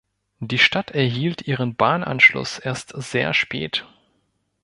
Die Stadt erhielt ihren Bahnanschluss erst sehr spät.